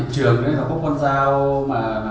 trường này nó có con dao mà